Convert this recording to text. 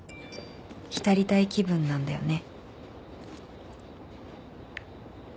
「浸りたい気分なんだよね」